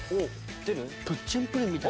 プッチンプリンみたい。